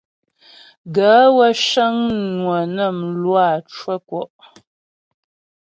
Gaə̂ wə́ cə́ŋ mnwə̀ nə mlwǎ cwə́ ŋkwɔ́'.